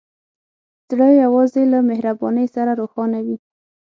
زړه یوازې له مهربانۍ سره روښانه وي.